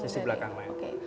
sisi belakang lain